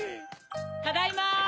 ただいま！